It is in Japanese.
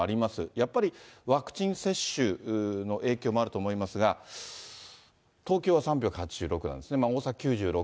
やっぱりワクチン接種の影響もあると思いますが、東京は３８６なんですね、大阪９６、